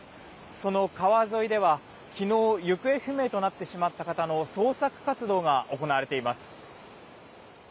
その川沿いでは、昨日行方不明となってしまった方の捜索活動が行われています。